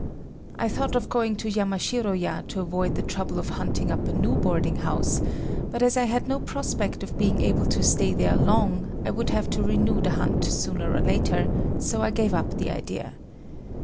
I thought of going to Yamashiro ya to avoid the trouble of hunting up a new boarding house, but as I had no prospect of being able to stay there long, I would have to renew the hunt sooner or later, so I gave up the idea.